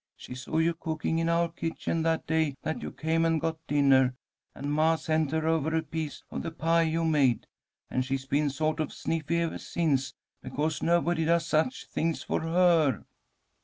She saw you cooking in our kitchen that day that you came and got dinner, and ma sent her over a piece of the pie you made, and she's been sort of sniffy ever since, because nobody does such things for her."